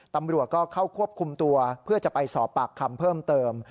ตำรวจก็เข้าควบคุมตัวเพื่อจะไปสอบปากคำเพิ่มเติม